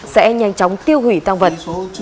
sẽ nhanh chóng tiêu hủy tăng vật